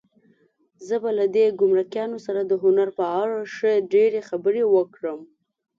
زه به له دې ګمرکیانو سره د هنر په اړه ښې ډېرې خبرې وکړم.